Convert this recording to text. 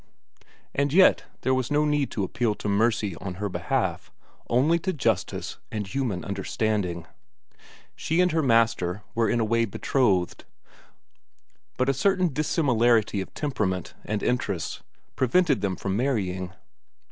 And yet there was no need to appeal to mercy on her behalf, only to justice and human understanding. She and her master were in a way betrothed, but a certain dissimilarity of temperament and interests prevented them from marrying.